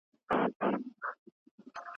الله تعالی خپل رسول ته فرمايي.